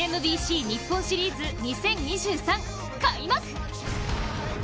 プロ野球日本シリーズ２０２３開幕！